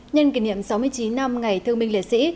nhân kỷ niệm sáu mươi chín năm ngày thương minh liệt sĩ